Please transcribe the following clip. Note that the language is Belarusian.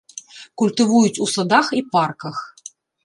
Культывуюць у садах і парках.